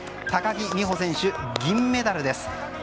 高木美帆選手、銀メダルです。